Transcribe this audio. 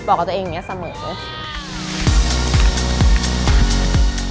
กับตัวเองอย่างนี้เสมอ